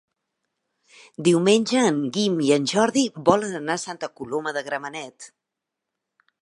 Diumenge en Guim i en Jordi volen anar a Santa Coloma de Gramenet.